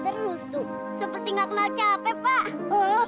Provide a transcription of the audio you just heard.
tidak akan tinggal dalam kuaku